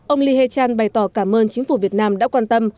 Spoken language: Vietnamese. ông lee hae chan bày tỏ cảm ơn chính phủ việt nam đã quan tâm